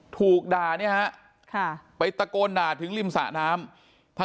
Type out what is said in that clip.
ถูกด่านี่ค่ะไปตะโกนหนาถึงริมสระน้ำ